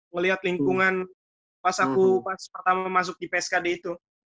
melihat lingkungan pas aku pertama masuk di pskd itu